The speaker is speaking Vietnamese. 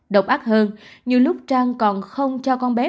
độc ác hơn nhiều lúc trang còn không cho con bé